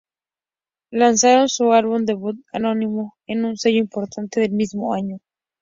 Lanzaron su álbum debut homónimo en un sello importante el mismo año.